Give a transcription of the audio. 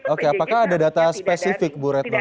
oke apakah ada data spesifik bu retno